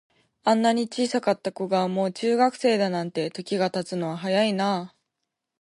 あんなに小さかった子が、もう中学生だなんて、時が経つのは早いなあ。